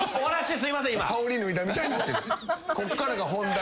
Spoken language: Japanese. すいません。